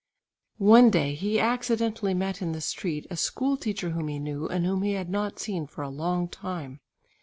One day he accidentally met in the street a school teacher whom he knew, and whom he had not seen for a long time.